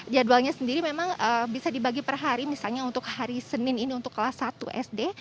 jadwalnya sendiri memang bisa dibagi per hari misalnya untuk hari senin ini untuk kelas satu sd